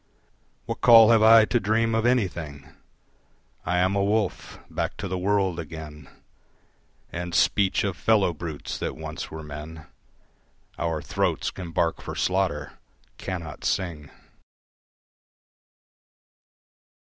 What call have I to dream of anything? I am a wolf. Back to the world again, And speech of fellow brutes that once were men Our throats can bark for slaughter: cannot sing.